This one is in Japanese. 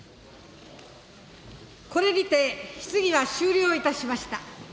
これにて質疑は終了いたしました。